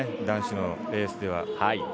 男子のレースでは。